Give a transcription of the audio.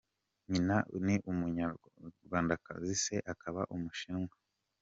Nyina ni Umunyarwandakazi, Se akaba Umushinwa.